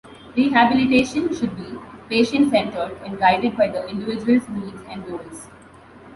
Rehabilitation should be patient-centered and guided by the individual's needs and goals.